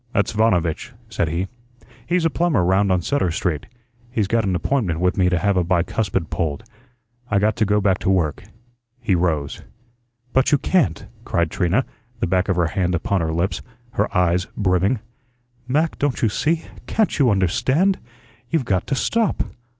"That's Vanovitch," said he. "He's a plumber round on Sutter Street. He's got an appointment with me to have a bicuspid pulled. I got to go back to work." He rose. "But you can't," cried Trina, the back of her hand upon her lips, her eyes brimming. "Mac, don't you see? Can't you understand? You've got to stop.